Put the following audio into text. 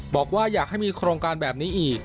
บอกว่าอยากให้มีโครงการแบบนี้อีก